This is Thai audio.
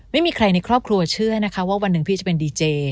ไม่มีใครในครอบครัวเชื่อนะคะว่าวันหนึ่งพี่จะเป็นดีเจ